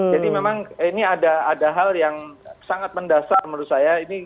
memang ini ada hal yang sangat mendasar menurut saya